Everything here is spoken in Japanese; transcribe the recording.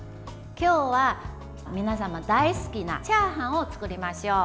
今日は皆さんも大好きなチャーハンを作りましょう。